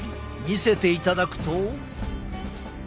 見せていただくと。